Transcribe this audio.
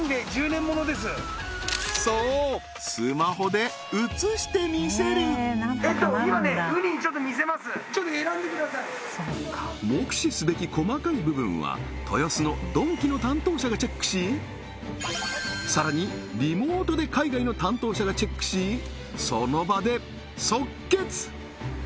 そうスマホでうつして見せる目視すべき細かい部分は豊洲のドンキの担当者がチェックしさらにリモートで海外の担当者がチェックしその場で即決！